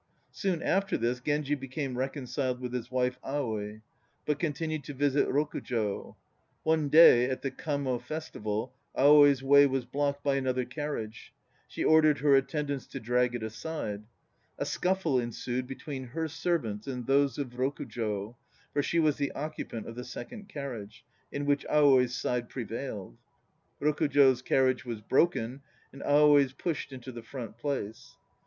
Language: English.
Soon after this, Genji became reconciled with his wife Aoi, but continued to visit Rokujo. One day, at the Kamo Festival, Aoi's way was blocked by another carriage. She ordered her attendants to drag it aside. A scuffle ensued between her servants and those of Rokujo (for she was the occupant of the second carriage) in which Aoi's side prevailed. Rokujo's carriage was broken and Aoi's pushed into the front place.